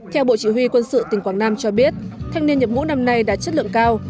theo bộ chỉ huy quân sự tỉnh quảng nam cho biết thanh niên nhập ngũ năm nay đã chất lượng cao